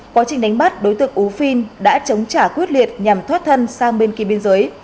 quá trình đánh bắt đối tượng ú phiên đã chống trả quyết liệt nhằm thoát thân sang bên kia biên giới